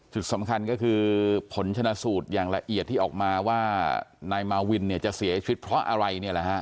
จุดสำคัญก็คือผลชนะสูตรอย่างละเอียดที่ออกมาว่านายมาวินจะเสียชีวิตเพราะอะไร